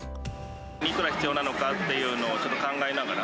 いくら必要なのかっていうのを、ちょっと考えながら。